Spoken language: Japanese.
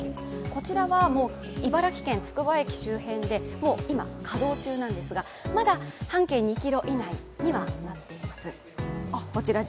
こちらは茨城県つくば駅周辺でもう今、稼働中なんですがまだ半径２ｋｍ以内となっています。